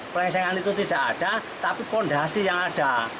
pelengsengan itu tidak ada tapi fondasi yang ada